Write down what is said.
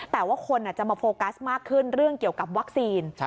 แต่ว่าคนจะมาโฟกัสมากขึ้นเรื่องเกี่ยวกับวัคซีน